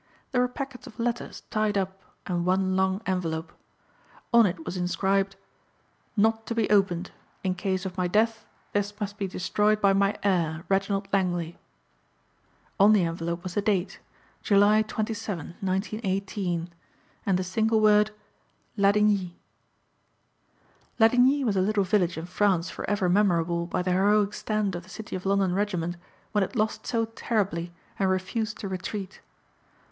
There were packets of letters tied up and one long envelope. On it was inscribed, "Not to be Opened. In case of my death this must be destroyed by my heir, Reginald Langley." On the envelope was the date, July 27, 1918, and the single word, "Ladigny." Ladigny was a little village in France forever memorable by the heroic stand of the City of London regiment when it lost so terribly and refused to retreat.